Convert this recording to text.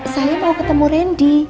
saya mau ketemu rendy